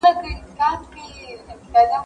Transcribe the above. چي يو ځل يوه ماشوم ږغ كړه په زوره